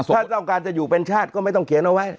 ถ้าต้องการจะอยู่เป็นชาติก็ไม่ต้องเขียนเอาไว้